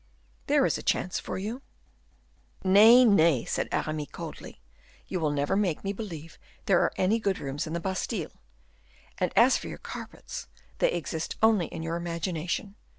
There is a chance for you." "Nay, nay," said Aramis, coldly; "you will never make me believe there are any good rooms in the Bastile; and, as for your carpets, they exist only in your imagination.